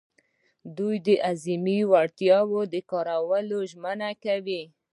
دوی د اعظمي وړتیا د کارولو ژمنه کوي.